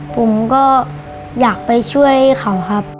ผมก็อยากไปช่วยเขาครับ